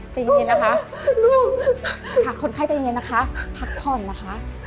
ใจเย็นเย็นนะคะลูกฉันลูกค่ะคนไข้ใจเย็นเย็นนะคะพักผ่อนนะคะ